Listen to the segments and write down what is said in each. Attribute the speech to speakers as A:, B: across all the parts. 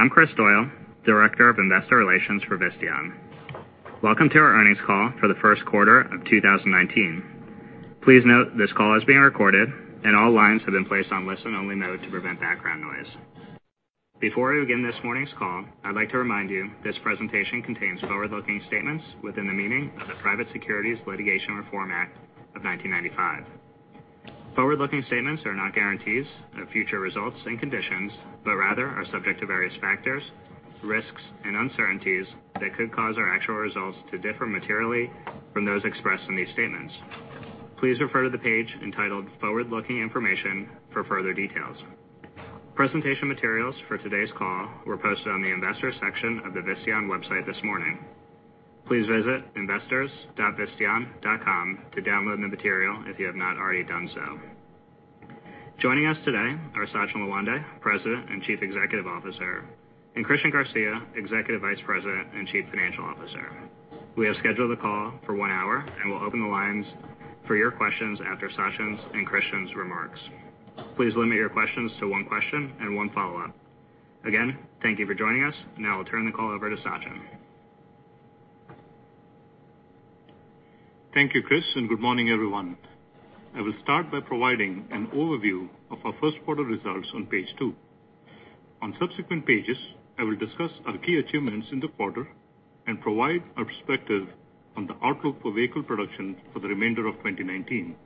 A: I'm Kris Doyle, Director of Investor Relations for Visteon. Welcome to our earnings call for the first quarter of 2019. Please note this call is being recorded, and all lines have been placed on listen-only mode to prevent background noise. Before we begin this morning's call, I'd like to remind you this presentation contains forward-looking statements within the meaning of the Private Securities Litigation Reform Act of 1995. Forward-looking statements are not guarantees of future results and conditions, but rather are subject to various factors, risks, and uncertainties that could cause our actual results to differ materially from those expressed in these statements. Please refer to the page entitled Forward-Looking Information for further details. Presentation materials for today's call were posted on the investors section of the Visteon website this morning. Please visit investors.visteon.com to download the material if you have not already done so. Joining us today are Sachin Lawande, President and Chief Executive Officer, and Christian Garcia, Executive Vice President and Chief Financial Officer. We have scheduled the call for one hour and will open the lines for your questions after Sachin's and Christian's remarks. Please limit your questions to one question and one follow-up. Again, thank you for joining us. Now I'll turn the call over to Sachin.
B: Thank you, Chris, and good morning, everyone. I will start by providing an overview of our first quarter results on page two. On subsequent pages, I will discuss our key achievements in the quarter and provide our perspective on the outlook for vehicle production for the remainder of 2019.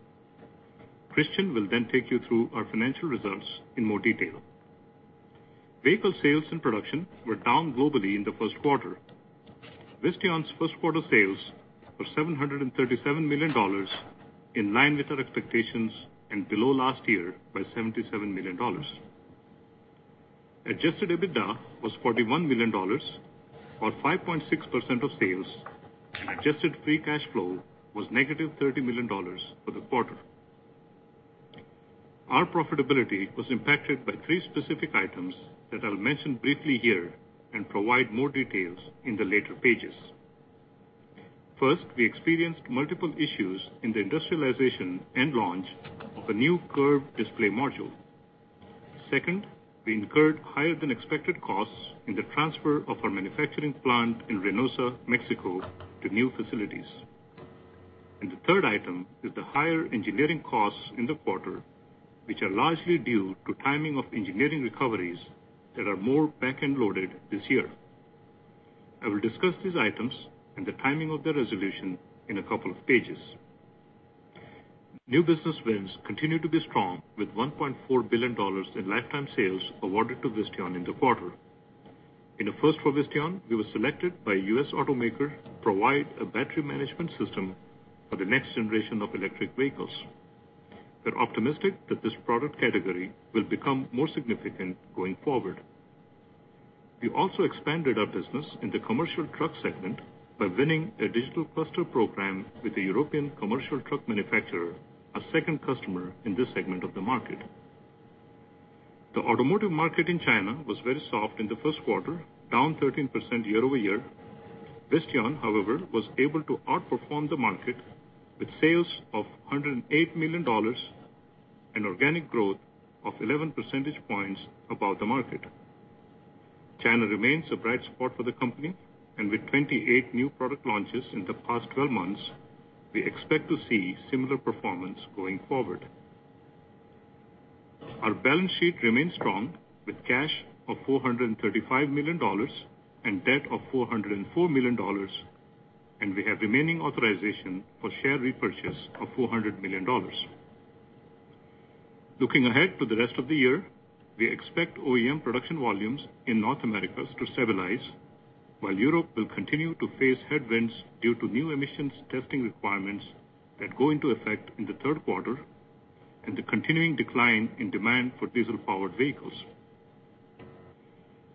B: Christian will take you through our financial results in more detail. Vehicle sales and production were down globally in the first quarter. Visteon's first quarter sales were $737 million, in line with our expectations and below last year by $77 million. Adjusted EBITDA was $41 million, or 5.6% of sales, and adjusted free cash flow was negative $30 million for the quarter. Our profitability was impacted by three specific items that I'll mention briefly here and provide more details in the later pages. First, we experienced multiple issues in the industrialization and launch of a new curved display module. Second, we incurred higher than expected costs in the transfer of our manufacturing plant in Reynosa, Mexico, to new facilities. The third item is the higher engineering costs in the quarter, which are largely due to timing of engineering recoveries that are more back-end loaded this year. I will discuss these items and the timing of their resolution in a couple of pages. New business wins continue to be strong with $1.4 billion in lifetime sales awarded to Visteon in the quarter. In a first for Visteon, we were selected by a U.S. automaker to provide a battery management system for the next generation of electric vehicles. We're optimistic that this product category will become more significant going forward. We also expanded our business in the commercial truck segment by winning a digital cluster program with a European commercial truck manufacturer, a second customer in this segment of the market. The automotive market in China was very soft in the first quarter, down 13% year-over-year. Visteon, however, was able to outperform the market with sales of $108 million and organic growth of 11 percentage points above the market. China remains a bright spot for the company, and with 28 new product launches in the past 12 months, we expect to see similar performance going forward. Our balance sheet remains strong with cash of $435 million and debt of $404 million, and we have remaining authorization for share repurchase of $400 million. Looking ahead to the rest of the year, we expect OEM production volumes in North America to stabilize, while Europe will continue to face headwinds due to new emissions testing requirements that go into effect in the third quarter and the continuing decline in demand for diesel-powered vehicles.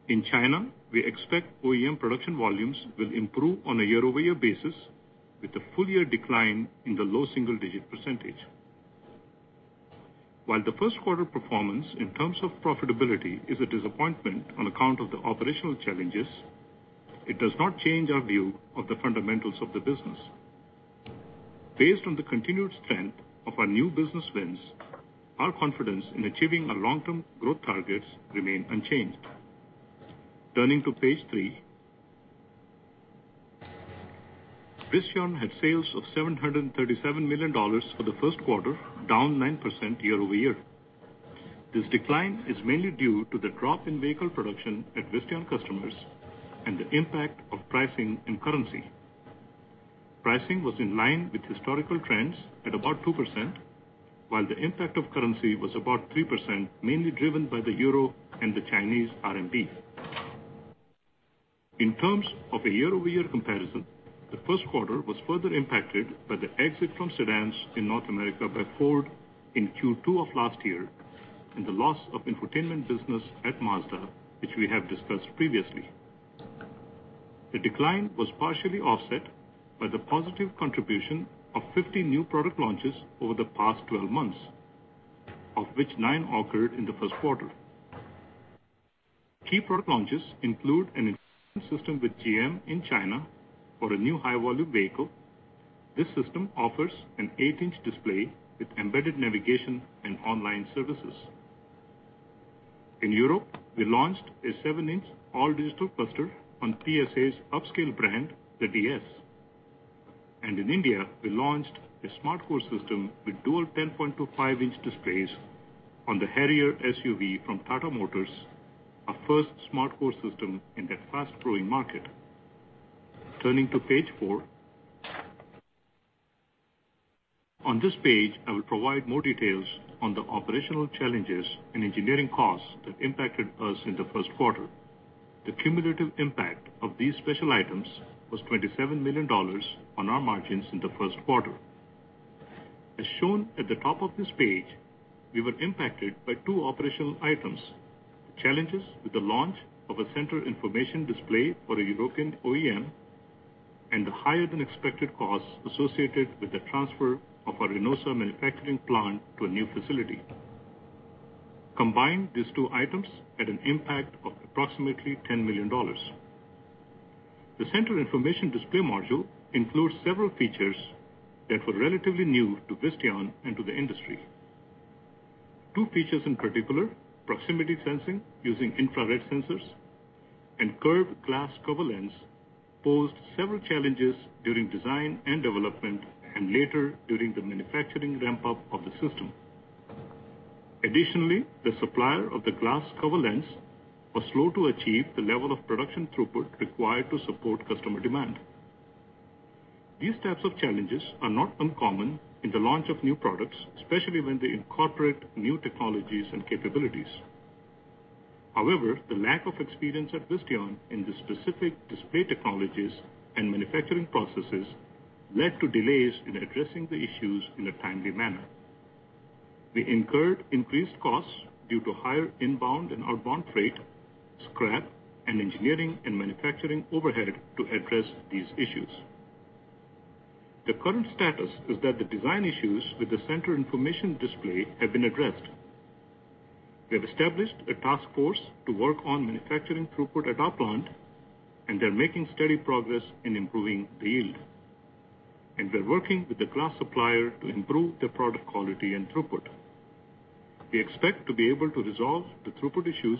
B: In China, we expect OEM production volumes will improve on a year-over-year basis with a full year decline in the low single digit percentage. While the first quarter performance in terms of profitability is a disappointment on account of the operational challenges, it does not change our view of the fundamentals of the business. Based on the continued strength of our new business wins, our confidence in achieving our long-term growth targets remain unchanged. Turning to page three. Visteon had sales of $737 million for the first quarter, down 9% year-over-year. This decline is mainly due to the drop in vehicle production at Visteon customers and the impact of pricing and currency. Pricing was in line with historical trends at about 2%, while the impact of currency was about 3%, mainly driven by the euro and the Chinese RMB. In terms of a year-over-year comparison, the first quarter was further impacted by the exit from sedans in North America by Ford in Q2 of last year and the loss of infotainment business at Mazda, which we have discussed previously. The decline was partially offset by the positive contribution of 50 new product launches over the past 12 months, of which nine occurred in the first quarter. Key product launches include a system with GM in China for a new high-value vehicle. This system offers an eight-inch display with embedded navigation and online services. In Europe, we launched a seven-inch all-digital cluster on PSA's upscale brand, the DS. And in India, we launched a SmartCore system with dual 10.25-inch displays on the Harrier SUV from Tata Motors, our first SmartCore system in that fast-growing market. Turning to page four. On this page, I will provide more details on the operational challenges and engineering costs that impacted us in the first quarter. The cumulative impact of these special items was $27 million on our margins in the first quarter. As shown at the top of this page, we were impacted by two operational items, challenges with the launch of a center information display for a European OEM, and the higher than expected costs associated with the transfer of our Reynosa manufacturing plant to a new facility. Combined, these two items had an impact of approximately $10 million. The center information display module includes several features that were relatively new to Visteon and to the industry. Two features in particular, proximity sensing using infrared sensors and curved glass cover lens, posed several challenges during design and development, and later during the manufacturing ramp-up of the system. Additionally, the supplier of the glass cover lens was slow to achieve the level of production throughput required to support customer demand. These types of challenges are not uncommon in the launch of new products, especially when they incorporate new technologies and capabilities. However, the lack of experience at Visteon in the specific display technologies and manufacturing processes led to delays in addressing the issues in a timely manner. We incurred increased costs due to higher inbound and outbound freight, scrap, and engineering and manufacturing overhead to address these issues. The current status is that the design issues with the center information display have been addressed. We have established a task force to work on manufacturing throughput at our plant, and they're making steady progress in improving the yield. We're working with the glass supplier to improve the product quality and throughput. We expect to be able to resolve the throughput issues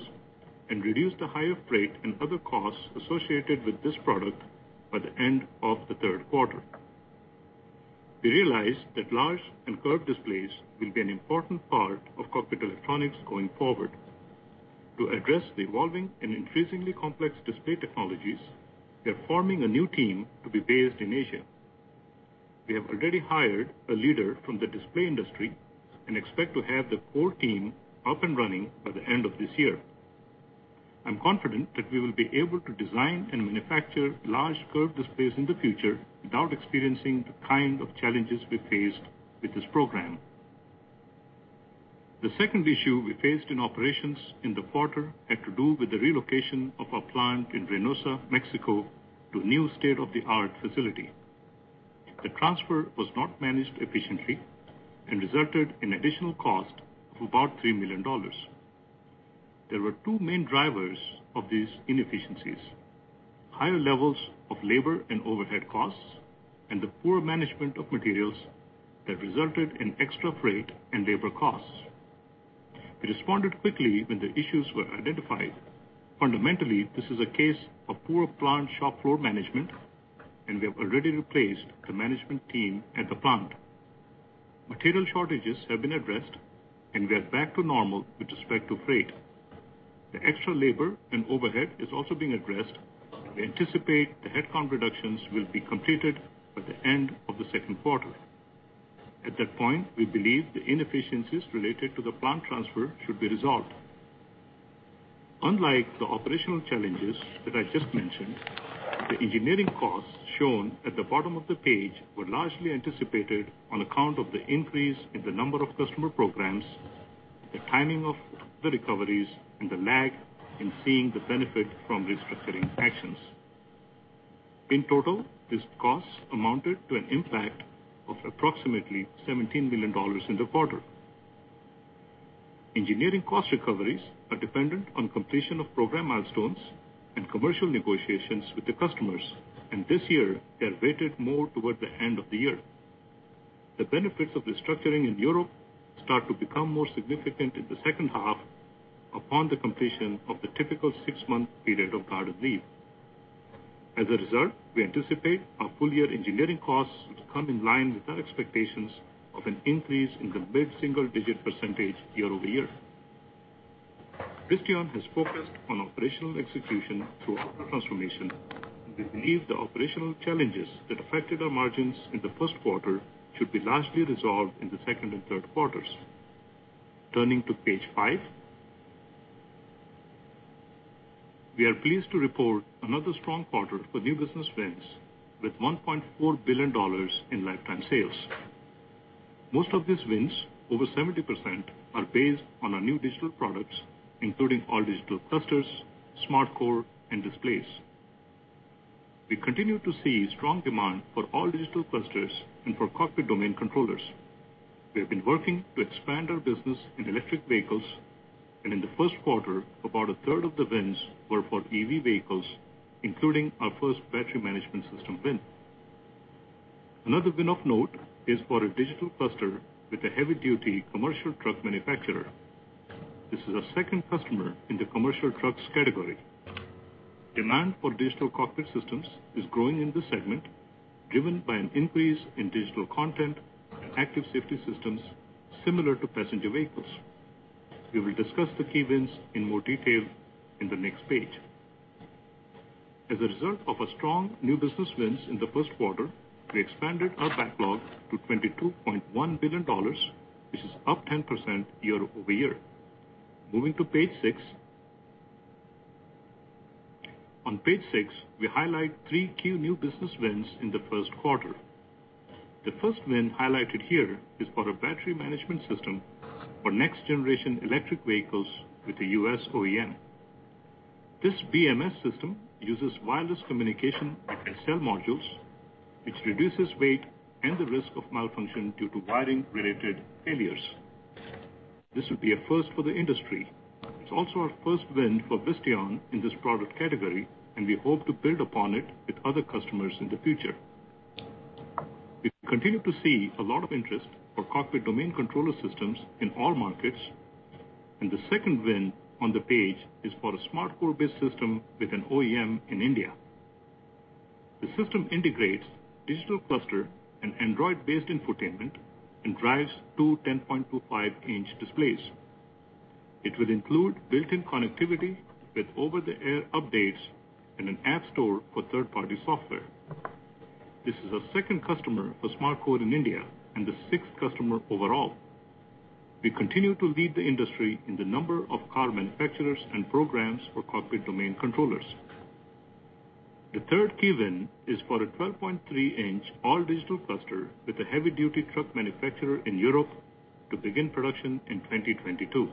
B: and reduce the higher freight and other costs associated with this product by the end of the third quarter. We realize that large and curved displays will be an important part of cockpit electronics going forward. To address the evolving and increasingly complex display technologies, we are forming a new team to be based in Asia. We have already hired a leader from the display industry and expect to have the core team up and running by the end of this year. I'm confident that we will be able to design and manufacture large curved displays in the future without experiencing the kind of challenges we faced with this program. The second issue we faced in operations in the quarter had to do with the relocation of our plant in Reynosa, Mexico, to a new state-of-the-art facility. The transfer was not managed efficiently and resulted in additional cost of about $3 million. There were two main drivers of these inefficiencies. Higher levels of labor and overhead costs, and the poor management of materials that resulted in extra freight and labor costs. We responded quickly when the issues were identified. Fundamentally, this is a case of poor plant shop floor management, and we have already replaced the management team at the plant. Material shortages have been addressed, and we are back to normal with respect to freight. The extra labor and overhead is also being addressed. We anticipate the headcount reductions will be completed by the end of the second quarter. At that point, we believe the inefficiencies related to the plant transfer should be resolved. Unlike the operational challenges that I just mentioned, the engineering costs shown at the bottom of the page were largely anticipated on account of the increase in the number of customer programs, the timing of the recoveries, and the lag in seeing the benefit from restructuring actions. In total, these costs amounted to an impact of approximately $17 million in the quarter. Engineering cost recoveries are dependent on completion of program milestones and commercial negotiations with the customers, and this year they are weighted more toward the end of the year. The benefits of restructuring in Europe start to become more significant in the second half upon the completion of the typical six-month period of garden leave. As a result, we anticipate our full-year engineering costs to come in line with our expectations of an increase in the mid-single digit percentage year-over-year. Visteon has focused on operational execution throughout the transformation. We believe the operational challenges that affected our margins in the first quarter should be largely resolved in the second and third quarters. Turning to page five. We are pleased to report another strong quarter for new business wins with $1.4 billion in lifetime sales. Most of these wins, over 70%, are based on our new digital products, including all-digital clusters, SmartCore, and displays. We continue to see strong demand for all-digital clusters and for cockpit domain controllers. We have been working to expand our business in electric vehicles. In the first quarter, about a third of the wins were for EV vehicles, including our first battery management system win. Another win of note is for a digital cluster with a heavy-duty commercial truck manufacturer. This is our second customer in the commercial trucks category. Demand for digital cockpit systems is growing in this segment, driven by an increase in digital content and active safety systems similar to passenger vehicles. We will discuss the key wins in more detail in the next page. As a result of strong new business wins in the first quarter, we expanded our backlog to $22.1 billion. This is up 10% year-over-year. Moving to page six. On page six, we highlight three key new business wins in the first quarter. The first win highlighted here is for a battery management system for next generation electric vehicles with a U.S. OEM. This BMS system uses wireless communication between cell modules, which reduces weight and the risk of malfunction due to wiring-related failures. This will be a first for the industry. It's also our first win for Visteon in this product category, and we hope to build upon it with other customers in the future. We continue to see a lot of interest for cockpit domain controller systems in all markets, and the second win on the page is for a SmartCore-based system with an OEM in India. The system integrates digital cluster and Android-based infotainment and drives two 10.25-inch displays. It will include built-in connectivity with over-the-air updates and an app store for third-party software. This is our second customer for SmartCore in India and the sixth customer overall. We continue to lead the industry in the number of car manufacturers and programs for cockpit domain controllers. The third key win is for a 12.3-inch all-digital cluster with a heavy-duty truck manufacturer in Europe to begin production in 2022.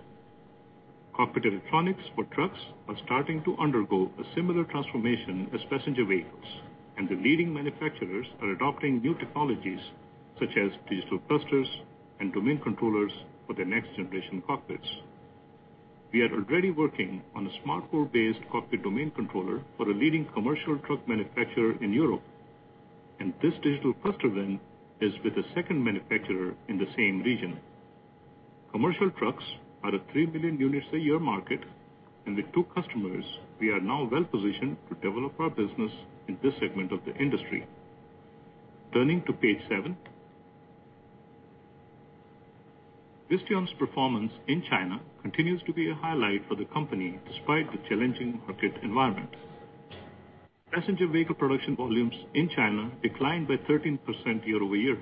B: Cockpit electronics for trucks are starting to undergo a similar transformation as passenger vehicles, and the leading manufacturers are adopting new technologies such as digital clusters and domain controllers for their next-generation cockpits. We are already working on a SmartCore-based cockpit domain controller for a leading commercial truck manufacturer in Europe, and this digital cluster win is with a second manufacturer in the same region. Commercial trucks are a three-million-units-a-year market, and with two customers, we are now well positioned to develop our business in this segment of the industry. Turning to page seven. Visteon's performance in China continues to be a highlight for the company despite the challenging market environment. Passenger vehicle production volumes in China declined by 13% year-over-year.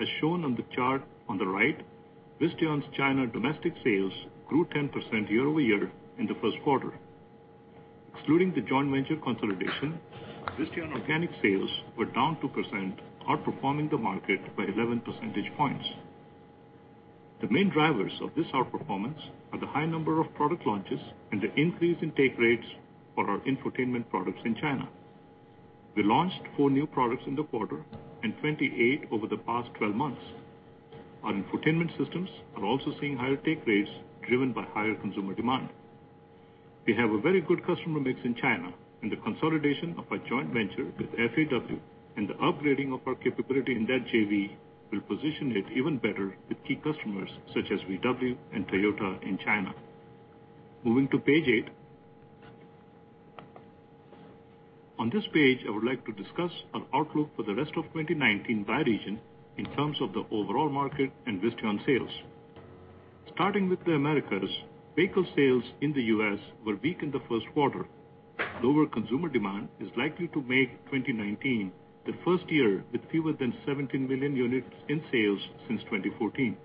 B: As shown on the chart on the right, Visteon's China domestic sales grew 10% year-over-year in the first quarter. Excluding the joint venture consolidation, Visteon organic sales were down 2%, outperforming the market by 11 percentage points. The main drivers of this outperformance are the high number of product launches and the increase in take rates for our infotainment products in China. We launched four new products in the quarter and 28 over the past 12 months. Our infotainment systems are also seeing higher take rates driven by higher consumer demand. We have a very good customer mix in China, and the consolidation of our joint venture with FAW and the upgrading of our capability in that JV will position it even better with key customers such as VW and Toyota in China. Moving to page eight. On this page, I would like to discuss our outlook for the rest of 2019 by region in terms of the overall market and Visteon sales. Starting with the Americas, vehicle sales in the U.S. were weak in the first quarter. Lower consumer demand is likely to make 2019 the first year with fewer than 17 million units in sales since 2014.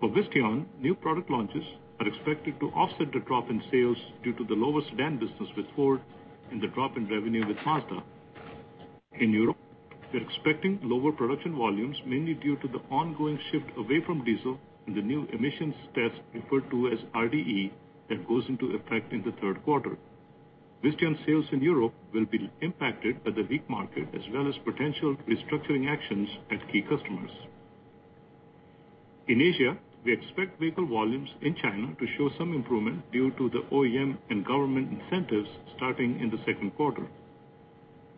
B: For Visteon, new product launches are expected to offset the drop in sales due to the lower sedan business with Ford and the drop in revenue with Mazda. In Europe, we're expecting lower production volumes, mainly due to the ongoing shift away from diesel and the new emissions test referred to as RDE that goes into effect in the third quarter. Visteon sales in Europe will be impacted by the weak market as well as potential restructuring actions at key customers. In Asia, we expect vehicle volumes in China to show some improvement due to the OEM and government incentives starting in the second quarter.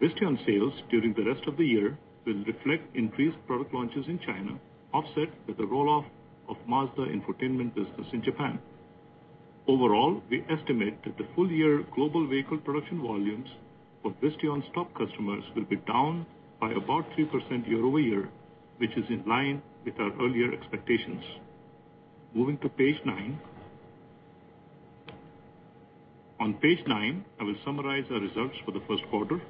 B: Visteon sales during the rest of the year will reflect increased product launches in China, offset with the roll-off of Mazda infotainment business in Japan. Overall, we estimate that the full-year global vehicle production volumes for Visteon's top customers will be down by about 3% year-over-year, which is in line with our earlier expectations. Moving to page nine. On page nine, I will summarize our results for the first quarter.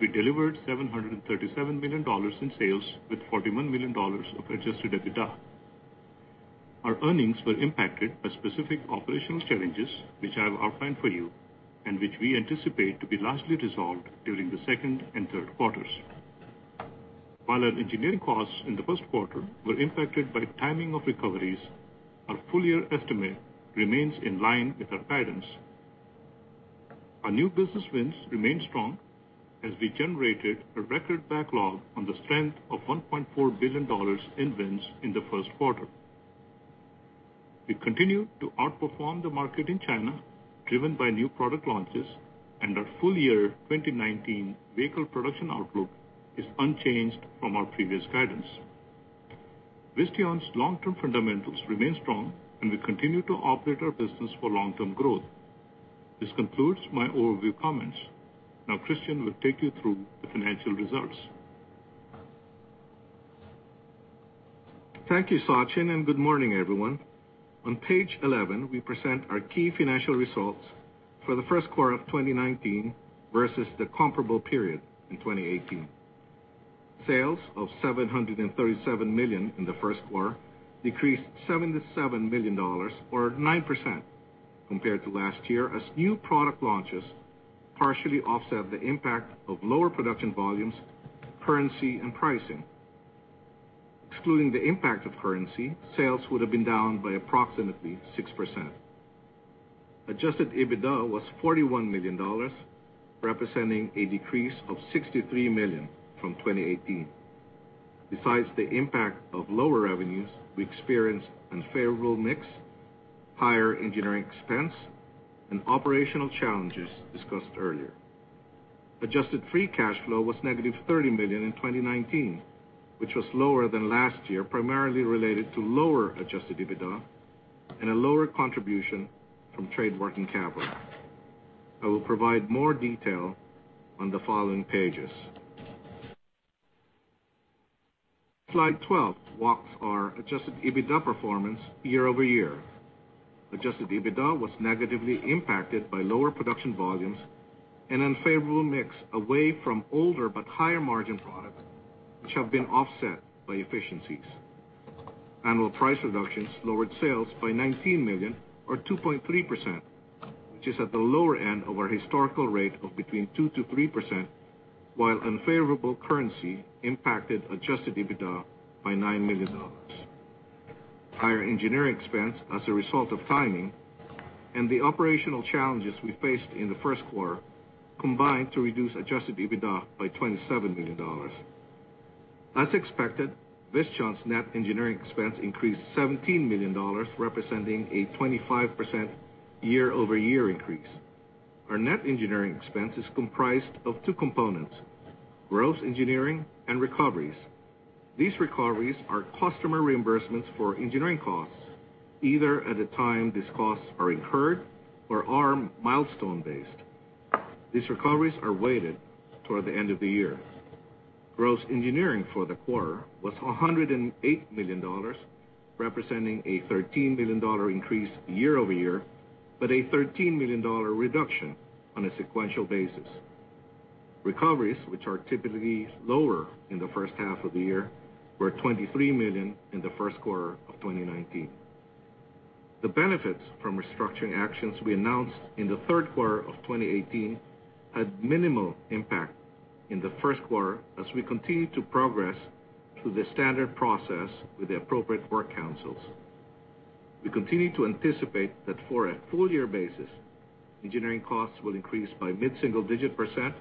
B: We delivered $737 million in sales with $41 million of adjusted EBITDA. Our earnings were impacted by specific operational challenges, which I've outlined for you, and which we anticipate to be largely resolved during the second and third quarters. While our engineering costs in the first quarter were impacted by timing of recoveries, our full-year estimate remains in line with our guidance. Our new business wins remain strong as we generated a record backlog on the strength of $1.4 billion in wins in the first quarter. We continue to outperform the market in China, driven by new product launches, and our full year 2019 vehicle production outlook is unchanged from our previous guidance. Visteon's long-term fundamentals remain strong, and we continue to operate our business for long-term growth. This concludes my overview comments. Now Christian will take you through the financial results.
C: Thank you, Sachin, and good morning, everyone. On page 11, we present our key financial results for the first quarter of 2019 versus the comparable period in 2018. Sales of $737 million in the first quarter decreased $77 million, or 9%, compared to last year as new product launches partially offset the impact of lower production volumes, currency, and pricing. Excluding the impact of currency, sales would have been down by approximately 6%. Adjusted EBITDA was $41 million, representing a decrease of $63 million from 2018. Besides the impact of lower revenues, we experienced unfavorable mix, higher engineering expense, and operational challenges discussed earlier. Adjusted free cash flow was negative $30 million in 2019, which was lower than last year, primarily related to lower adjusted EBITDA and a lower contribution from trade working capital. I will provide more detail on the following pages. Slide 12 walks our adjusted EBITDA performance year-over-year. Adjusted EBITDA was negatively impacted by lower production volumes and unfavorable mix away from older but higher margin products, which have been offset by efficiencies. Annual price reductions lowered sales by $19 million or 2.3%, which is at the lower end of our historical rate of between 2%-3%, while unfavorable currency impacted adjusted EBITDA by $9 million. Higher engineering expense as a result of timing and the operational challenges we faced in the first quarter combined to reduce adjusted EBITDA by $27 million. As expected, Visteon's net engineering expense increased $17 million, representing a 25% year-over-year increase. Our net engineering expense is comprised of two components, gross engineering and recoveries. These recoveries are customer reimbursements for engineering costs, either at the time these costs are incurred or are milestone-based. These recoveries are weighted toward the end of the year. Gross engineering for the quarter was $108 million, representing a $13 million increase year-over-year, but a $13 million reduction on a sequential basis. Recoveries, which are typically lower in the first half of the year, were $23 million in the first quarter of 2019. The benefits from restructuring actions we announced in the third quarter of 2018 had minimal impact in the first quarter as we continue to progress through the standard process with the appropriate work councils. We continue to anticipate that for a full year basis, engineering costs will increase by mid-single digit %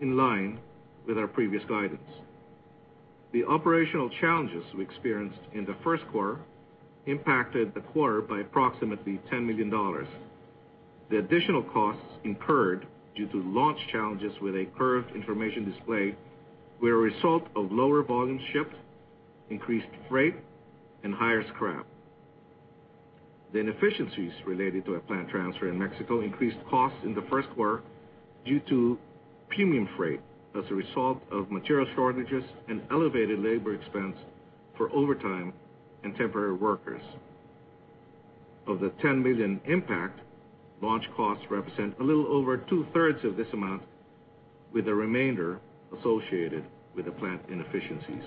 C: in line with our previous guidance. The operational challenges we experienced in the first quarter impacted the quarter by approximately $10 million. The additional costs incurred due to launch challenges with a curved information display were a result of lower volume shipped, increased freight, and higher scrap. The inefficiencies related to a plant transfer in Mexico increased costs in the first quarter due to premium freight as a result of material shortages and elevated labor expense for overtime and temporary workers. Of the $10 million impact, launch costs represent a little over two-thirds of this amount, with the remainder associated with the plant inefficiencies.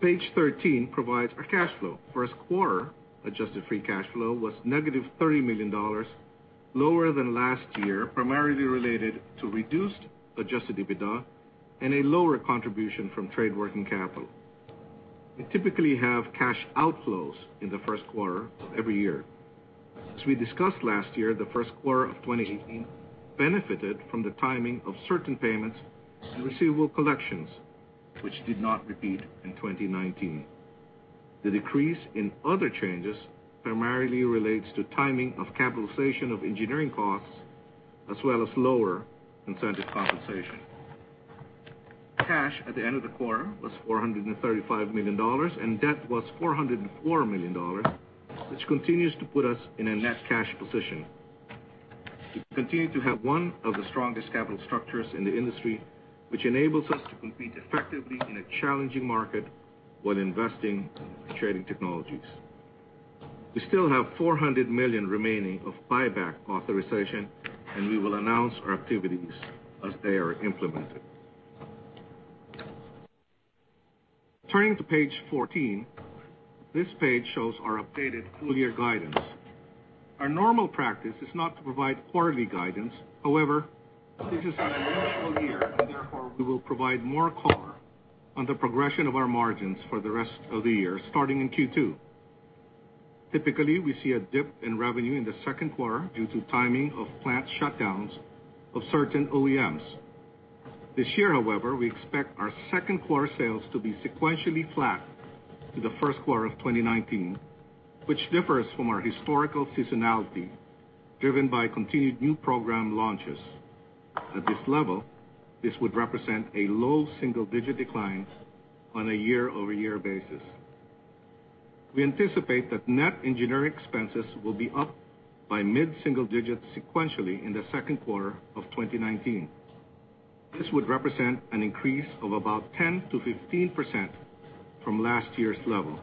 C: Page 13 provides our cash flow. First quarter adjusted free cash flow was negative $30 million, lower than last year, primarily related to reduced adjusted EBITDA and a lower contribution from trade working capital. We typically have cash outflows in the first quarter of every year. As we discussed last year, the first quarter of 2018 benefited from the timing of certain payments and receivable collections, which did not repeat in 2019. The decrease in other changes primarily relates to timing of capitalization of engineering costs, as well as lower incentive compensation. Cash at the end of the quarter was $435 million, and debt was $404 million, which continues to put us in a net cash position. We continue to have one of the strongest capital structures in the industry, which enables us to compete effectively in a challenging market while investing in leading technologies. We still have $400 million remaining of buyback authorization. We will announce our activities as they are implemented. Turning to page 14, this page shows our updated full-year guidance. Our normal practice is not to provide quarterly guidance. This is an unusual year and, therefore, we will provide more color on the progression of our margins for the rest of the year, starting in Q2. Typically, we see a dip in revenue in the second quarter due to timing of plant shutdowns of certain OEMs. This year, however, we expect our second quarter sales to be sequentially flat to the first quarter of 2019, which differs from our historical seasonality, driven by continued new program launches. At this level, this would represent a low single-digit decline on a year-over-year basis. We anticipate that net engineering expenses will be up by mid-single digits sequentially in the second quarter of 2019. This would represent an increase of about 10%-15% from last year's level.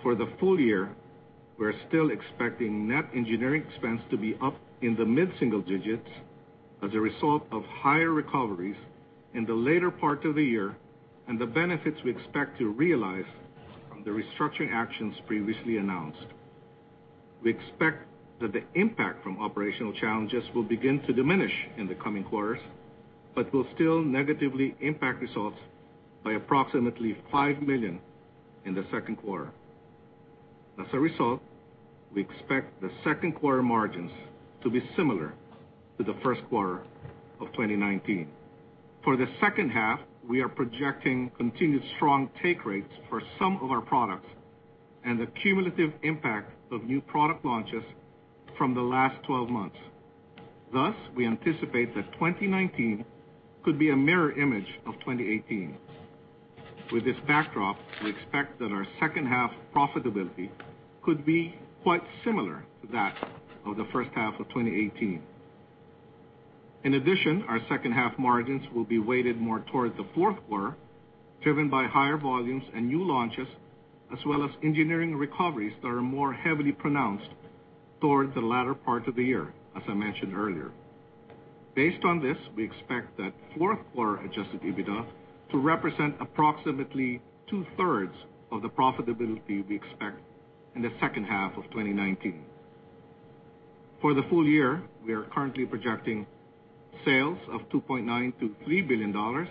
C: For the full year, we're still expecting net engineering expense to be up in the mid-single digits as a result of higher recoveries in the later part of the year, and the benefits we expect to realize from the restructuring actions previously announced. We expect that the impact from operational challenges will begin to diminish in the coming quarters, but will still negatively impact results by approximately $5 million in the second quarter. We expect the second quarter margins to be similar to the first quarter of 2019. For the second half, we are projecting continued strong take rates for some of our products and the cumulative impact of new product launches from the last 12 months. We anticipate that 2019 could be a mirror image of 2018. With this backdrop, we expect that our second half profitability could be quite similar to that of the first half of 2018. In addition, our second half margins will be weighted more towards the fourth quarter, driven by higher volumes and new launches as well as engineering recoveries that are more heavily pronounced toward the latter part of the year, as I mentioned earlier. Based on this, we expect that fourth quarter adjusted EBITDA to represent approximately two-thirds of the profitability we expect in the second half of 2019. For the full year, we are currently projecting sales of $2.9 billion-$3 billion,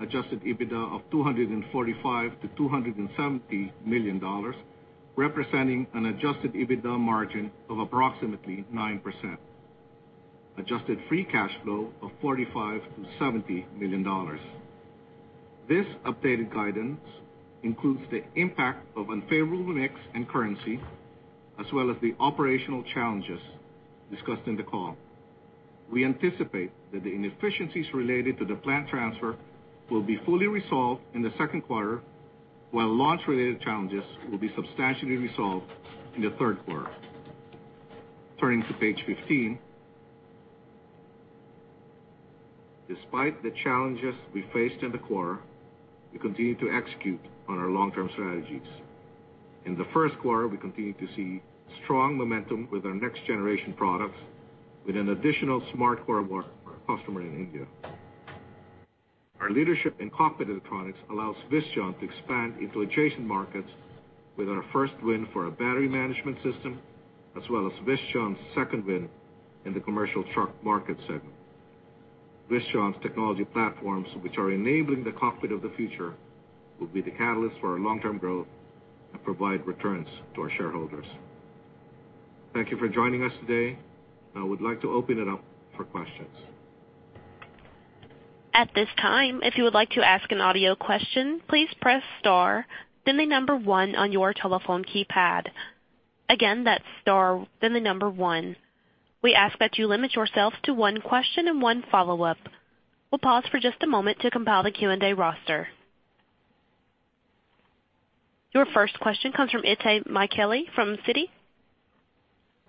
C: adjusted EBITDA of $245 million-$270 million, representing an adjusted EBITDA margin of approximately 9%. Adjusted free cash flow of $45 million-$70 million. This updated guidance includes the impact of unfavorable mix and currency, as well as the operational challenges discussed in the call. We anticipate that the inefficiencies related to the plant transfer will be fully resolved in the second quarter, while launch-related challenges will be substantially resolved in the third quarter. Turning to page 15. Despite the challenges we faced in the quarter, we continued to execute on our long-term strategies. In the first quarter, we continued to see strong momentum with our next-generation products with an additional SmartCore customer in India. Our leadership in cockpit electronics allows Visteon to expand into adjacent markets with our first win for a battery management system, as well as Visteon's second win in the commercial truck market segment. Visteon's technology platforms, which are enabling the cockpit of the future, will be the catalyst for our long-term growth and provide returns to our shareholders. Thank you for joining us today, and I would like to open it up for questions.
D: At this time, if you would like to ask an audio question, please press star, then the number one on your telephone keypad. Again, that's star, then the number one. We ask that you limit yourself to one question and one follow-up. We'll pause for just a moment to compile the Q&A roster. Your first question comes from Itay Michaeli from Citi.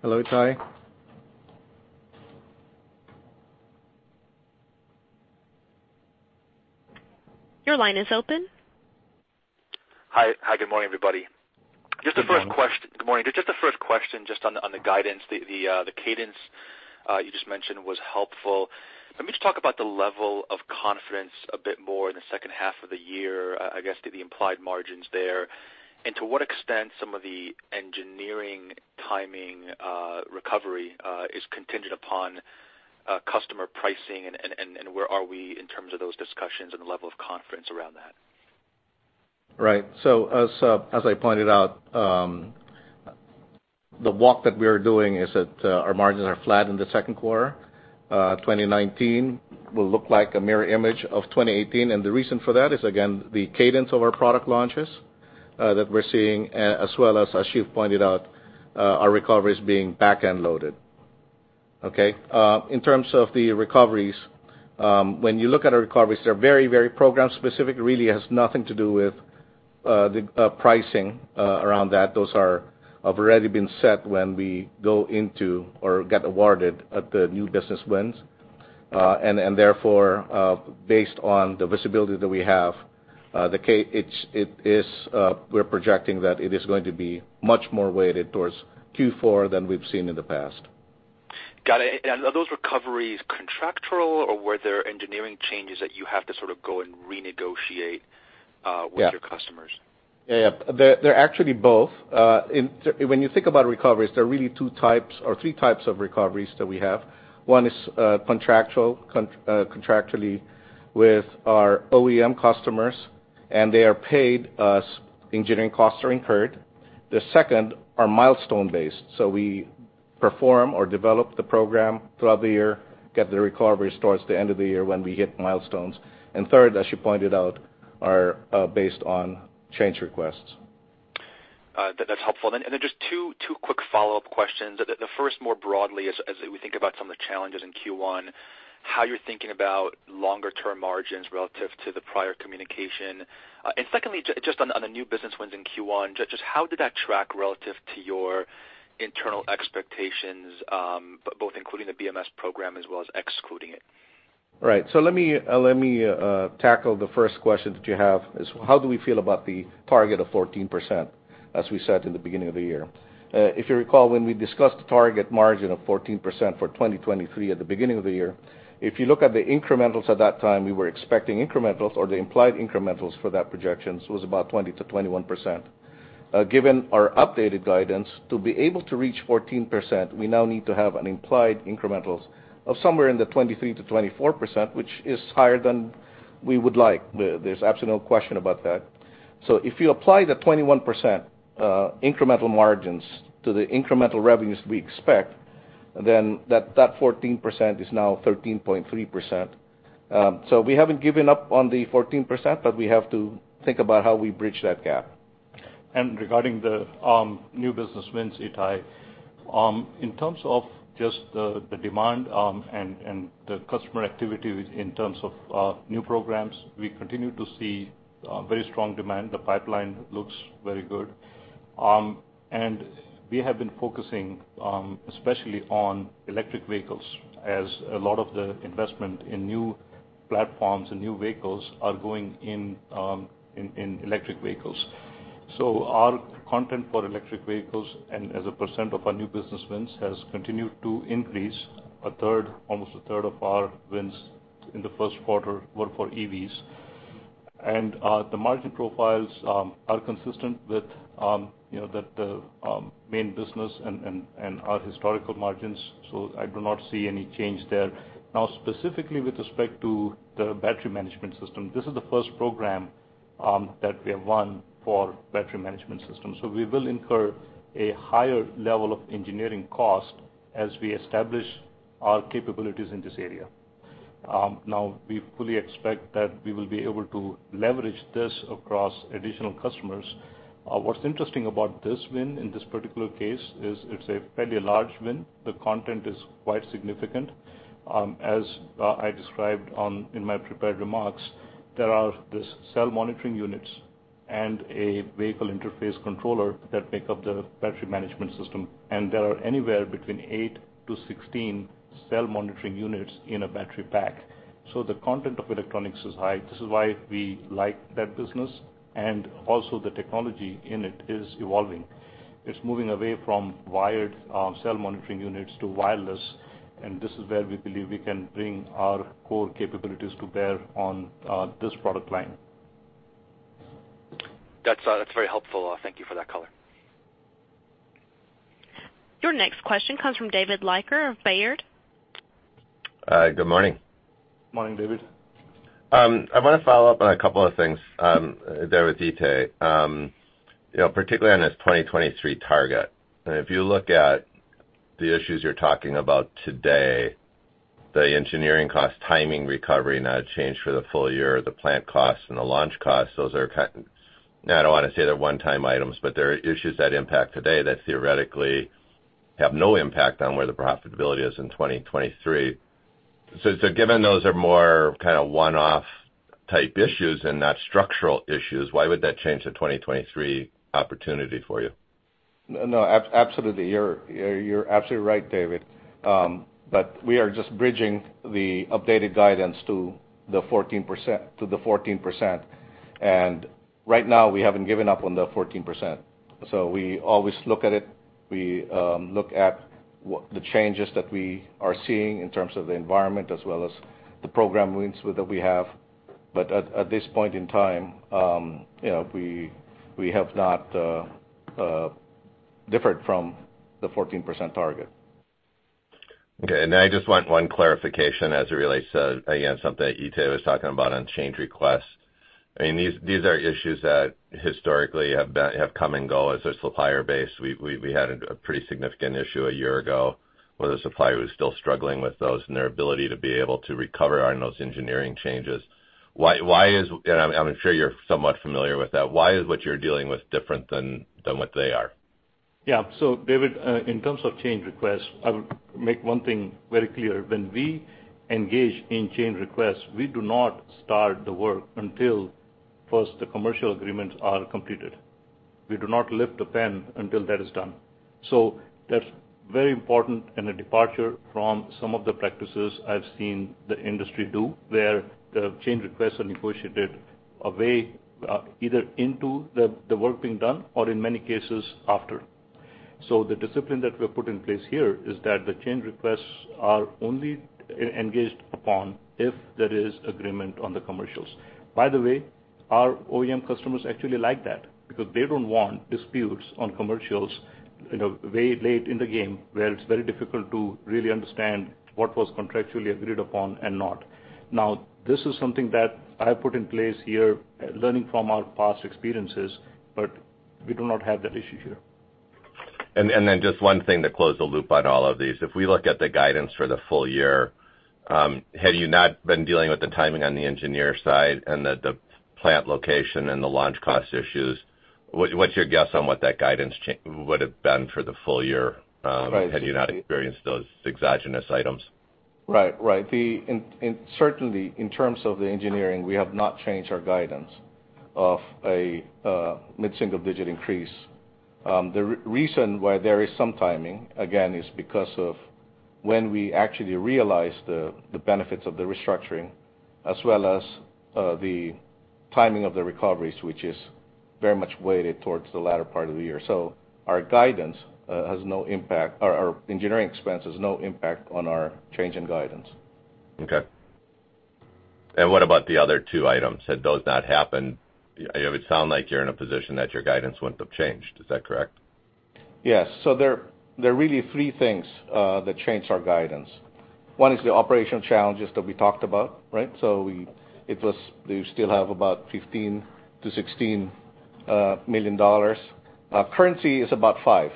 C: Hello, Itay.
D: Your line is open.
E: Hi, good morning, everybody.
C: Good morning.
E: Good morning. Just the first question just on the guidance, the cadence you just mentioned was helpful. Let me just talk about the level of confidence a bit more in the second half of the year, I guess to the implied margins there, and to what extent some of the engineering timing recovery is contingent upon customer pricing, and where are we in terms of those discussions and the level of confidence around that?
C: Right. As I pointed out, the walk that we are doing is that our margins are flat in the second quarter. 2019 will look like a mirror image of 2018. The reason for that is, again, the cadence of our product launches that we're seeing, as well as [Sachin] pointed out, our recovery is being back end loaded. Okay. In terms of the recoveries, when you look at our recoveries, they're very program specific. Really has nothing to do with the pricing around that. Those have already been set when we go into or get awarded at the new business wins. Therefore, based on the visibility that we have, we're projecting that it is going to be much more weighted towards Q4 than we've seen in the past.
E: Got it. Are those recoveries contractual, or were there engineering changes that you have to sort of go and renegotiate with your customers?
C: Yeah. They're actually both. When you think about recoveries, there are really two types or three types of recoveries that we have. One is contractually with our OEM customers, they are paid as engineering costs are incurred. The second are milestone-based. We perform or develop the program throughout the year, get the recoveries towards the end of the year when we hit milestones. Third, as you pointed out, are based on change requests.
E: That's helpful. Then just two quick follow-up questions. The first, more broadly, as we think about some of the challenges in Q1, how you're thinking about longer-term margins relative to the prior communication. Secondly, just on the new business wins in Q1, just how did that track relative to your internal expectations, both including the BMS program as well as excluding it?
C: Right. Let me tackle the first question that you have is how do we feel about the target of 14%, as we said in the beginning of the year. If you recall, when we discussed the target margin of 14% for 2023 at the beginning of the year, if you look at the incrementals at that time, we were expecting incrementals or the implied incrementals for that projections was about 20%-21%. Given our updated guidance, to be able to reach 14%, we now need to have an implied incrementals of somewhere in the 23%-24%, which is higher than we would like. There's absolutely no question about that. If you apply the 21% incremental margins to the incremental revenues we expect, that 14% is now 13.3%. We haven't given up on the 14%, but we have to think about how we bridge that gap.
B: Regarding the new business wins, Itay, in terms of just the demand and the customer activity in terms of new programs, we continue to see very strong demand. The pipeline looks very good. We have been focusing especially on electric vehicles as a lot of the investment in new platforms and new vehicles are going in electric vehicles. Our content for electric vehicles and as a percent of our new business wins has continued to increase. Almost a third of our wins in the first quarter were for EVs. The margin profiles are consistent with the main business and our historical margins, so I do not see any change there. Now, specifically with respect to the battery management system, this is the first program that we have won for battery management systems. We will incur a higher level of engineering cost as we establish our capabilities in this area. Now, we fully expect that we will be able to leverage this across additional customers. What's interesting about this win in this particular case is it's a fairly large win. The content is quite significant. As I described in my prepared remarks, there are these cell monitoring units and a vehicle interface controller that make up the battery management system, and there are anywhere between eight to 16 cell monitoring units in a battery pack. The content of electronics is high. This is why we like that business, and also the technology in it is evolving. It's moving away from wired cell monitoring units to wireless, and this is where we believe we can bring our core capabilities to bear on this product line.
E: That's very helpful. Thank you for that color.
D: Your next question comes from David Leiker of Baird.
F: Good morning.
C: Morning, David.
F: I want to follow up on a couple of things there with Itay, particularly on this 2023 target. If you look at the issues you're talking about today, the engineering cost timing recovery, not a change for the full year, the plant costs and the launch costs, those are I don't want to say they're one-time items, but there are issues that impact today that theoretically have no impact on where the profitability is in 2023. Given those are more kind of one-off type issues and not structural issues, why would that change the 2023 opportunity for you?
C: You're absolutely right, David. We are just bridging the updated guidance to the 14%. Right now, we haven't given up on the 14%. We always look at it. We look at the changes that we are seeing in terms of the environment as well as the program wins that we have. At this point in time we have not differed from the 14% target.
F: Okay, I just want one clarification as it relates to, again, something that Itay was talking about on change requests. These are issues that historically have come and go as a supplier base. We had a pretty significant issue a year ago where the supplier was still struggling with those and their ability to be able to recover on those engineering changes. I'm sure you're somewhat familiar with that. Why is what you're dealing with different than what they are?
B: Yeah. David, in terms of change requests, I would make one thing very clear. When we engage in change requests, we do not start the work until first the commercial agreements are completed. We do not lift a pen until that is done. That's very important and a departure from some of the practices I've seen the industry do, where the change requests are negotiated away, either into the work being done or in many cases after. The discipline that we have put in place here is that the change requests are only engaged upon if there is agreement on the commercials. By the way, our OEM customers actually like that because they don't want disputes on commercials very late in the game, where it's very difficult to really understand what was contractually agreed upon and not. This is something that I have put in place here, learning from our past experiences, but we do not have that issue here.
F: Just one thing to close the loop on all of these. If we look at the guidance for the full year, had you not been dealing with the timing on the engineer side and the plant location and the launch cost issues, what's your guess on what that guidance would have been for the full year had you not experienced those exogenous items?
B: Right. Certainly, in terms of the engineering, we have not changed our guidance of a mid-single-digit increase. The reason why there is some timing, again, is because of when we actually realize the benefits of the restructuring as well as the timing of the recoveries, which is very much weighted towards the latter part of the year. Our engineering expense has no impact on our change in guidance.
F: Okay. What about the other two items? Had those not happened, it would sound like you're in a position that your guidance wouldn't have changed. Is that correct?
B: Yes. There are really three things that changed our guidance. One is the operational challenges that we talked about, right? We still have about $15 million-$16 million. Currency is about $5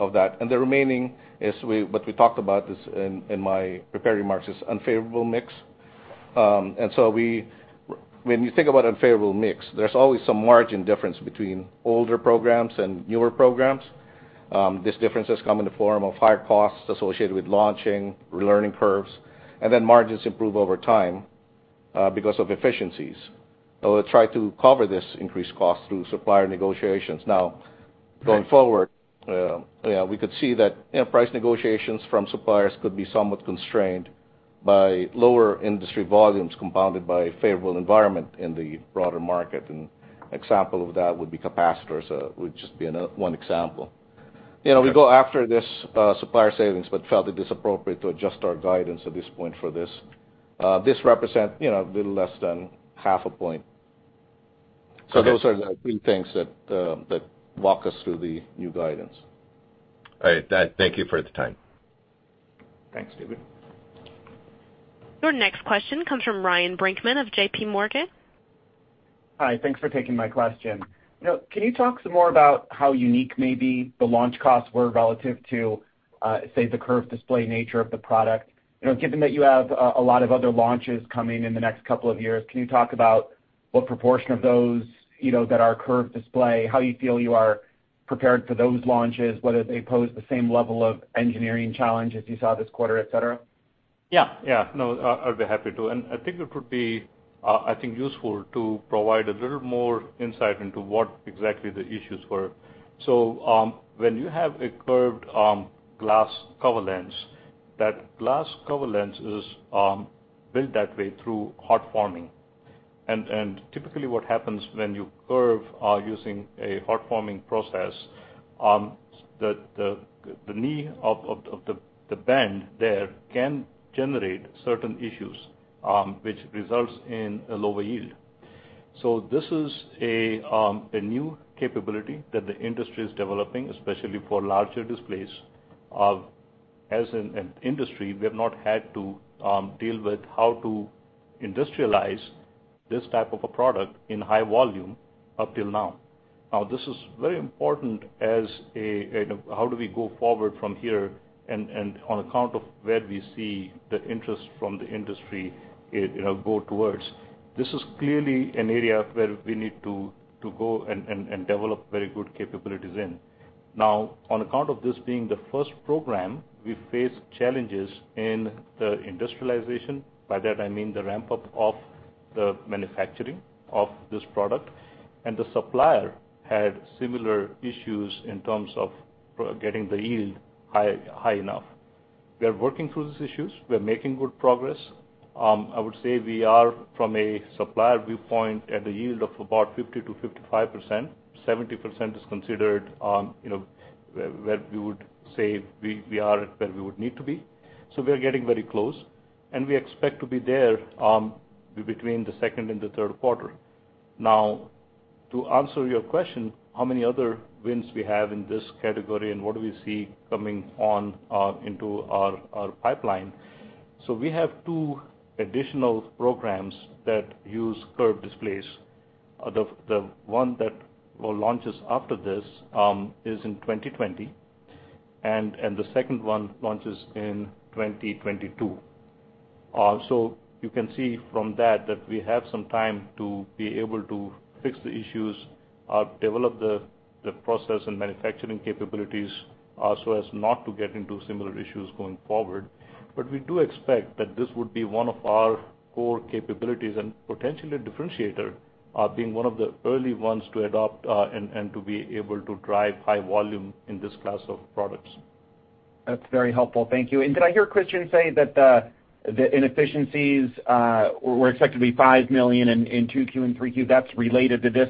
B: of that, and the remaining is what we talked about in my prepared remarks, is unfavorable mix. When you think about unfavorable mix, there's always some margin difference between older programs and newer programs. These differences come in the form of higher costs associated with launching, learning curves, and then margins improve over time because of efficiencies. We try to cover this increased cost through supplier negotiations. Going forward, we could see that price negotiations from suppliers could be somewhat constrained by lower industry volumes compounded by a favorable environment in the broader market. An example of that would be capacitors, would just be one example. We go after this supplier savings but felt it is appropriate to adjust our guidance at this point for this. This represents a little less than half a point.
F: Okay.
B: Those are the three things that walk us through the new guidance.
F: All right. Thank you for the time.
B: Thanks, David.
D: Your next question comes from Ryan Brinkman of J.P. Morgan.
G: Hi. Thanks for taking my question. Can you talk some more about how unique maybe the launch costs were relative to, say, the curved display nature of the product? Given that you have a lot of other launches coming in the next couple of years, can you talk about what proportion of those that are curved display, how you feel you are prepared for those launches, whether they pose the same level of engineering challenge as you saw this quarter, et cetera?
B: No, I'd be happy to. I think it would be useful to provide a little more insight into what exactly the issues were. When you have a curved glass cover lens, that glass cover lens is built that way through hot forming. Typically what happens when you curve using a hot forming process, the knee of the bend there can generate certain issues, which results in a lower yield. This is a new capability that the industry is developing, especially for larger displays. As an industry, we have not had to deal with how to industrialize this type of a product in high volume up till now. This is very important as how do we go forward from here and on account of where we see the interest from the industry go towards. This is clearly an area where we need to go and develop very good capabilities in. Now, on account of this being the first program, we face challenges in the industrialization. By that I mean the ramp-up of the manufacturing of this product. The supplier had similar issues in terms of getting the yield high enough. We are working through these issues. We are making good progress. I would say we are, from a supplier viewpoint, at a yield of about 50%-55%. 70% is considered where we would say we are where we would need to be. We are getting very close, and we expect to be there between the second and the third quarter. Now, to answer your question, how many other wins we have in this category and what do we see coming on into our pipeline. We have two additional programs that use curved displays. The one that launches after this is in 2020, and the second one launches in 2022. You can see from that we have some time to be able to fix the issues, develop the process and manufacturing capabilities so as not to get into similar issues going forward. We do expect that this would be one of our core capabilities and potentially a differentiator, being one of the early ones to adopt and to be able to drive high volume in this class of products.
G: That's very helpful. Thank you. Did I hear Christian say that the inefficiencies were expected to be $5 million in 2Q and 3Q? That's related to this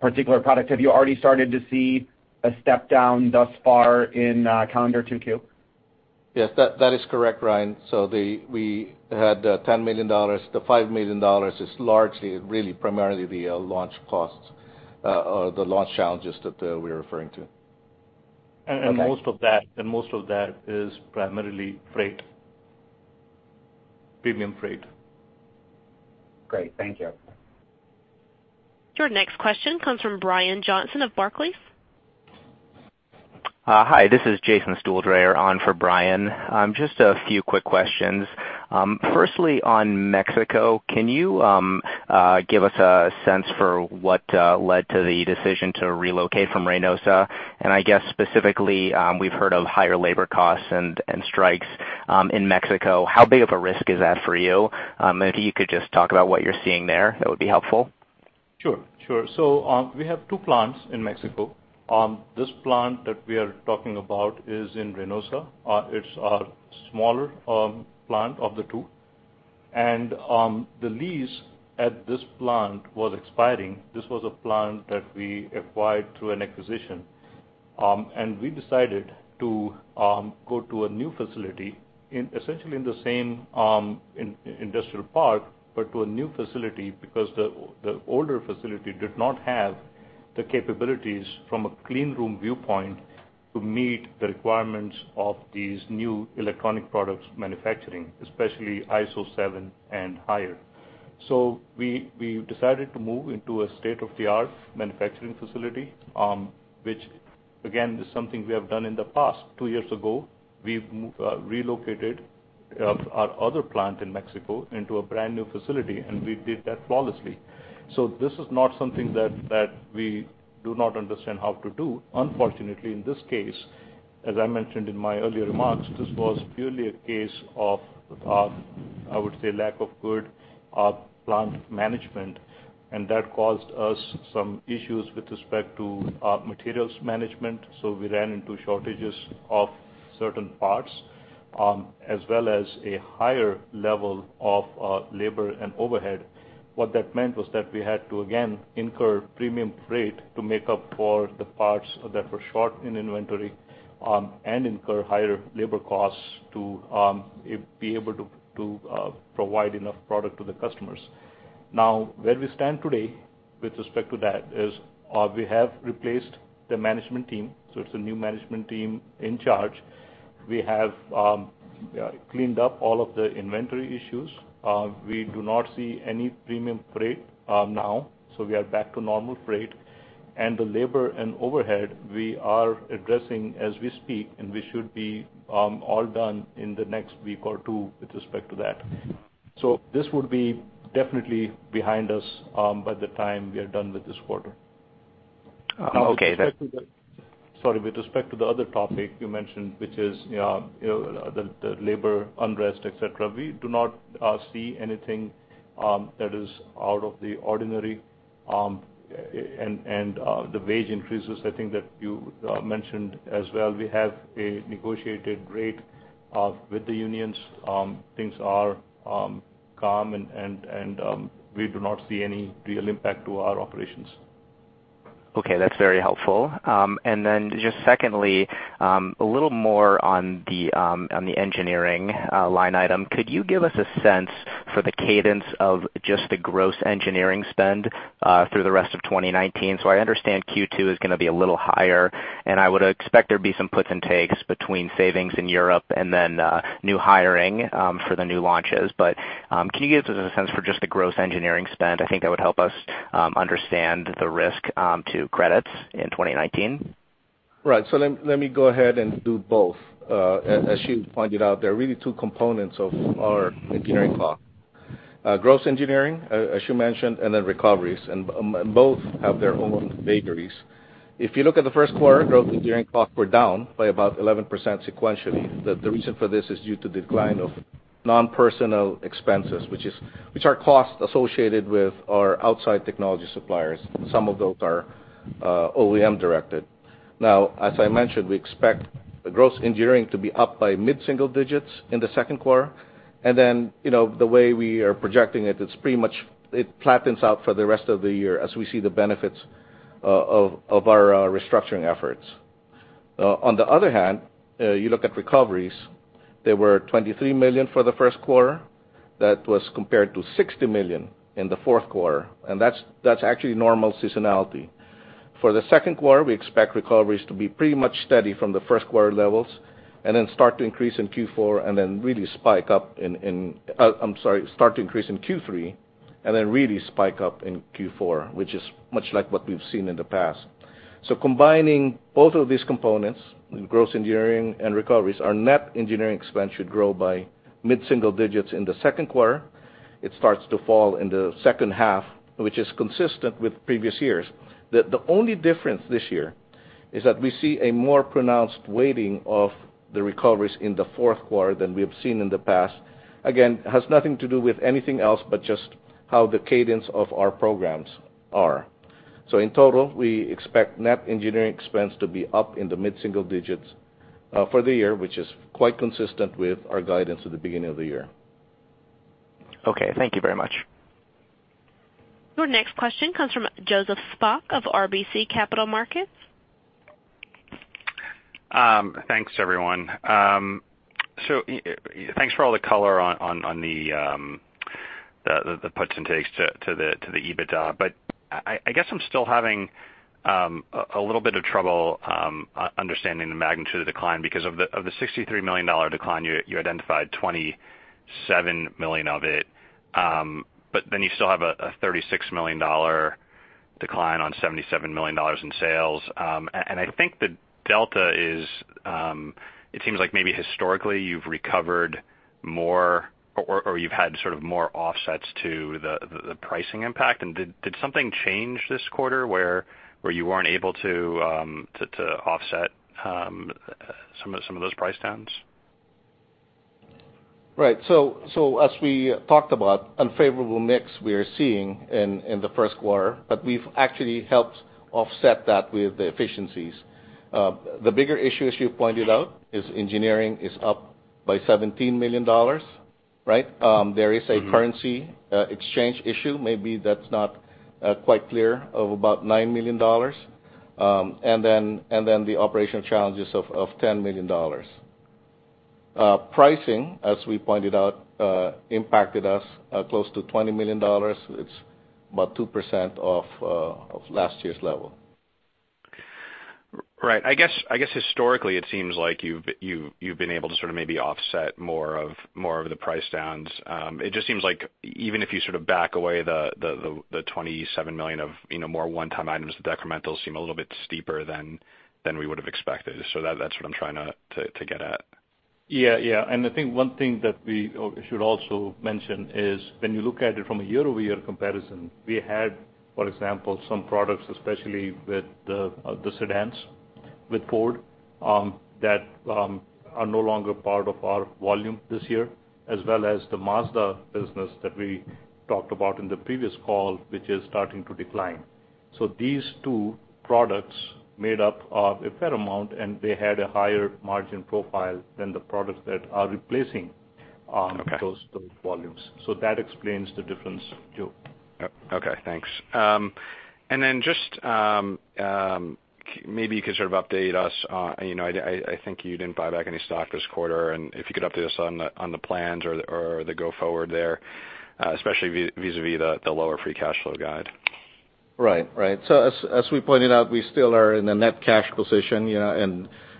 G: particular product. Have you already started to see a step down thus far in calendar 2Q?
C: Yes, that is correct, Ryan. We had the $10 million. The $5 million is largely really primarily the launch costs or the launch challenges that we're referring to.
G: Okay.
B: Most of that is primarily freight. Premium freight.
G: Great. Thank you.
D: Your next question comes from Brian Johnson of Barclays.
H: Hi, this is Jason Stuhldreher on for Brian. Just a few quick questions. Firstly, on Mexico, can you give us a sense for what led to the decision to relocate from Reynosa? I guess specifically, we've heard of higher labor costs and strikes in Mexico. How big of a risk is that for you? If you could just talk about what you're seeing there, that would be helpful.
B: Sure. We have two plants in Mexico. This plant that we are talking about is in Reynosa. It's a smaller plant of the two. The lease at this plant was expiring. This was a plant that we acquired through an acquisition. We decided to go to a new facility essentially in the same industrial park, but to a new facility because the older facility did not have the capabilities from a clean room viewpoint to meet the requirements of these new electronic products manufacturing, especially ISO 7 and higher. We decided to move into a state-of-the-art manufacturing facility, which again, is something we have done in the past. Two years ago, we've relocated our other plant in Mexico into a brand-new facility, and we did that flawlessly. This is not something that we do not understand how to do. Unfortunately, in this case, as I mentioned in my earlier remarks, this was purely a case of, I would say lack of good plant management, and that caused us some issues with respect to materials management. We ran into shortages of certain parts, as well as a higher level of labor and overhead. What that meant was that we had to, again, incur premium freight to make up for the parts that were short in inventory, and incur higher labor costs to be able to provide enough product to the customers. Where we stand today with respect to that is, we have replaced the management team, so it's a new management team in charge. We have cleaned up all of the inventory issues. We do not see any premium freight now, so we are back to normal freight. The labor and overhead we are addressing as we speak, and we should be all done in the next week or two with respect to that. This would be definitely behind us by the time we are done with this quarter.
H: Okay, that-
B: Sorry, with respect to the other topic you mentioned, which is the labor unrest, et cetera, we do not see anything that is out of the ordinary. The wage increases, I think that you mentioned as well, we have a negotiated rate with the unions. Things are calm, and we do not see any real impact to our operations.
H: Okay, that's very helpful. Just secondly, a little more on the engineering line item. Could you give us a sense for the cadence of just the gross engineering spend through the rest of 2019? I understand Q2 is going to be a little higher, and I would expect there'd be some puts and takes between savings in Europe and then new hiring for the new launches. Can you give us a sense for just the gross engineering spend? I think that would help us understand the risk to credits in 2019.
B: Right. Let me go ahead and do both. As you pointed out, there are really two components of our engineering cost. Gross engineering, as you mentioned, and then recoveries, and both have their own vagaries. If you look at the first quarter, gross engineering costs were down by about 11% sequentially. The reason for this is due to decline of non-personal expenses, which are costs associated with our outside technology suppliers. Some of those are OEM-directed. As I mentioned, we expect the gross engineering to be up by mid-single digits in the second quarter. The way we are projecting it's pretty much it flattens out for the rest of the year as we see the benefits of our restructuring efforts. On the other hand, you look at recoveries, they were $23 million for the first quarter. That was compared to $60 million in the fourth quarter, and that's actually normal seasonality. For the second quarter, we expect recoveries to be pretty much steady from the first quarter levels and then start to increase in Q3, and then really spike up in Q4, which is much like what we've seen in the past. Combining both of these components, gross engineering and recoveries, our net engineering expense should grow by mid-single digits in the second quarter. It starts to fall in the second half, which is consistent with previous years. The only difference this year is that we see a more pronounced weighting of the recoveries in the fourth quarter than we have seen in the past. Again, has nothing to do with anything else but just how the cadence of our programs are. In total, we expect net engineering expense to be up in the mid-single digits for the year, which is quite consistent with our guidance at the beginning of the year.
H: Okay. Thank you very much.
D: Your next question comes from Joseph Spak of RBC Capital Markets.
I: Thanks, everyone. Thanks for all the color on the puts and takes to the EBITDA. I guess I'm still having a little bit of trouble understanding the magnitude of the decline because of the $63 million decline you identified $27 million of it, then you still have a $36 million decline on $77 million in sales. I think the delta is, it seems like maybe historically you've recovered more or you've had sort of more offsets to the pricing impact. Did something change this quarter where you weren't able to offset some of those price downs?
B: Right. As we talked about, unfavorable mix we are seeing in the first quarter, we've actually helped offset that with the efficiencies. The bigger issue, as you pointed out, is engineering is up by $17 million, right? There is a currency exchange issue, maybe that's not quite clear, of about $9 million. Then the operational challenges of $10 million. Pricing, as we pointed out, impacted us close to $20 million. It's about 2% of last year's level.
I: Right. I guess historically it seems like you've been able to sort of maybe offset more of the price downs. It just seems like even if you sort of back away the $27 million of more one-time items, the decrementals seem a little bit steeper than we would've expected. That's what I'm trying to get at.
B: Yeah. I think one thing that we should also mention is when you look at it from a year-over-year comparison, we had, for example, some products, especially with the sedans with Ford, that are no longer part of our volume this year, as well as the Mazda business that we talked about in the previous call, which is starting to decline. These two products made up a fair amount, and they had a higher margin profile than the products that are replacing those volumes. That explains the difference, Joe.
I: Okay, thanks. Just maybe you could sort of update us on, I think you didn't buy back any stock this quarter, and if you could update us on the plans or the go forward there, especially vis-a-vis the lower free cash flow guide.
B: Right. As we pointed out, we still are in a net cash position,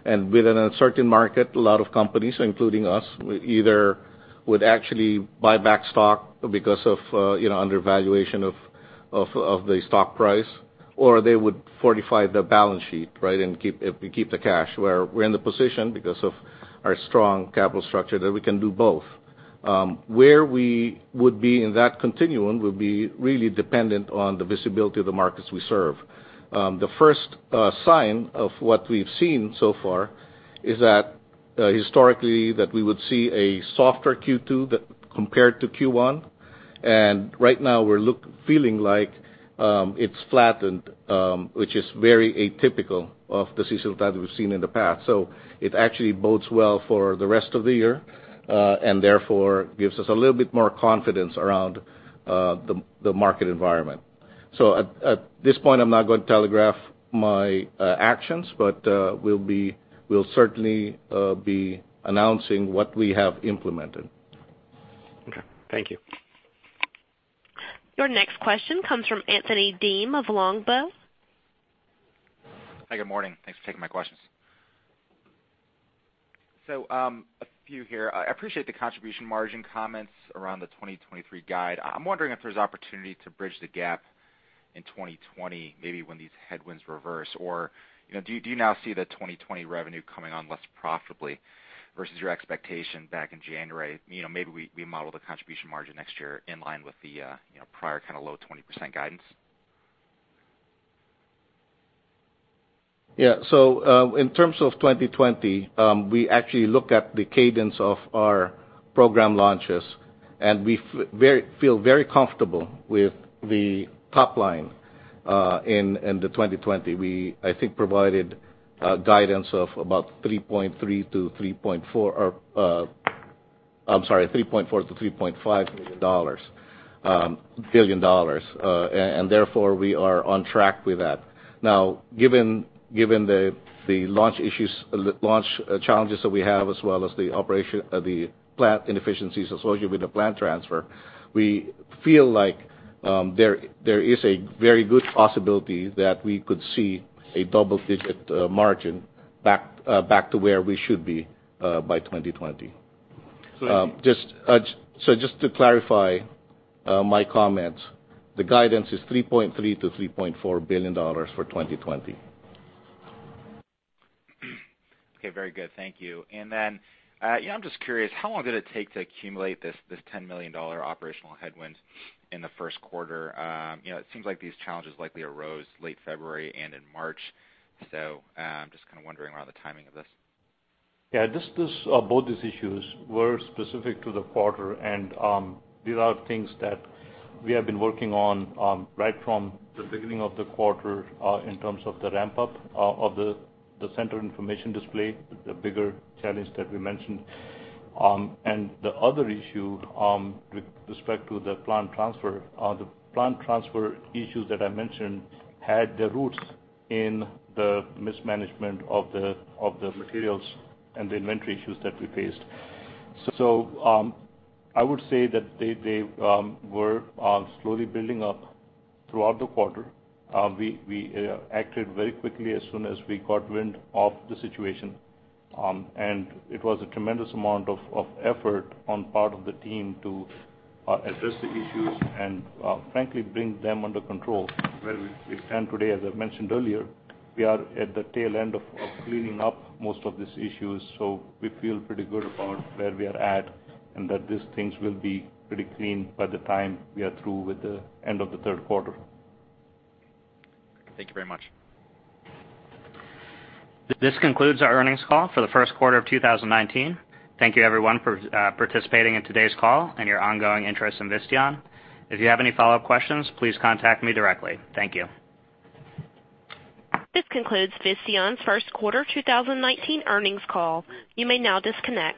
B: and with an uncertain market, a lot of companies, including us, either would actually buy back stock because of undervaluation of the stock price, or they would fortify their balance sheet, and keep the cash. We're in the position because of our strong capital structure that we can do both. Where we would be in that continuum would be really dependent on the visibility of the markets we serve. The first sign of what we've seen so far is that historically that we would see a softer Q2 compared to Q1, and right now we're feeling like it's flattened, which is very atypical of the seasonal patterns we've seen in the past. It actually bodes well for the rest of the year, and therefore gives us a little bit more confidence around the market environment. At this point, I'm not going to telegraph my actions, but we'll certainly be announcing what we have implemented.
I: Okay. Thank you.
D: Your next question comes from Anthony Deem of Longbow.
J: Hi, good morning. Thanks for taking my questions. A few here. I appreciate the contribution margin comments around the 2023 guide. I'm wondering if there's opportunity to bridge the gap in 2020, maybe when these headwinds reverse, or do you now see the 2020 revenue coming on less profitably versus your expectation back in January? Maybe we model the contribution margin next year in line with the prior kind of low 20% guidance.
B: In terms of 2020, we actually look at the cadence of our program launches, and we feel very comfortable with the top line in 2020. We, I think, provided guidance of about $3.3 billion-$3.4 billion, or, I'm sorry, $3.4 billion to $3.5 billion. Therefore, we are on track with that. Given the launch challenges that we have as well as the operation of the plant inefficiencies associated with the plant transfer, we feel like there is a very good possibility that we could see a double-digit margin back to where we should be, by 2020. Just to clarify my comments, the guidance is $3.3 billion to $3.4 billion for 2020.
J: Okay. Very good, thank you. Then, I'm just curious, how long did it take to accumulate this $10 million operational headwinds in the first quarter? It seems like these challenges likely arose late February and in March, I'm just kind of wondering around the timing of this.
B: Both these issues were specific to the quarter, and these are things that we have been working on right from the beginning of the quarter, in terms of the ramp-up of the center information display, the bigger challenge that we mentioned. The other issue, with respect to the plant transfer, the plant transfer issues that I mentioned had their roots in the mismanagement of the materials and the inventory issues that we faced. I would say that they were slowly building up throughout the quarter. We acted very quickly as soon as we got wind of the situation. It was a tremendous amount of effort on part of the team to address the issues and frankly bring them under control where we stand today as I've mentioned earlier, we are at the tail end of cleaning up most of these issues, we feel pretty good about where we are at, and that these things will be pretty clean by the time we are through with the end of the third quarter.
J: Thank you very much.
A: This concludes our earnings call for the first quarter of 2019. Thank you everyone for participating in today's call and your ongoing interest in Visteon. If you have any follow-up questions, please contact me directly. Thank you.
D: This concludes Visteon's first quarter 2019 earnings call. You may now disconnect.